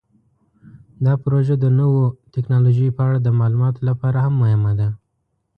دا پروژه د نوو تکنالوژیو په اړه د معلوماتو لپاره هم مهمه ده.